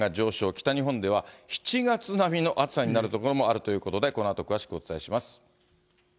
北日本では７月並みの暑さになる所もあるということで、このあと、詳しくお伝えします。